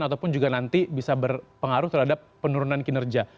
ataupun juga nanti bisa berpengaruh terhadap penurunan kinerja